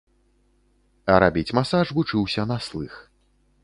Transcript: А рабіць масаж вучыўся на слых.